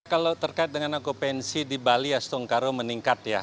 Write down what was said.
kalau terkait dengan aku pensi di bali astung karo meningkat ya